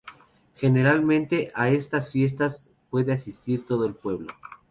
Generalmente a estas fiestas puede asistir todo el pueblo.